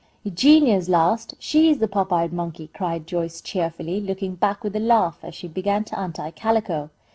"Eugenia's last! She is the pop eyed monkey!" cried Joyce, cheerfully, looking back with a laugh as she began to untie Calico.